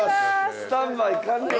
スタンバイ完了。